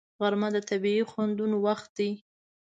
غرمه د طبیعي خوندونو وخت دی